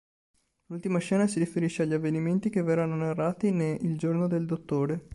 L'ultima scena si riferisce agli avvenimenti che verranno narrati ne "Il giorno del Dottore".